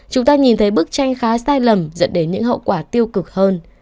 chúng ta nhìn thấy bức tranh khá sai lầm dẫn đến những hậu quả tiêu cực hơn